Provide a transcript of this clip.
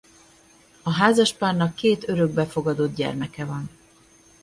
A házaspárnak két örökbefogadott gyermeke van.